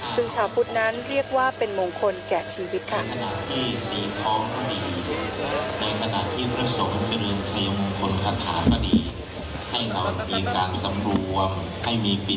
ซึ่งชาวพุทธนั้นเรียกว่าเป็นมงคลแก่ชีวิตค่ะ